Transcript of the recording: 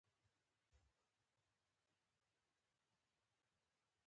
ژمي کې تر ټولو خطرناک حالت هغه وي چې کله ګردله شي.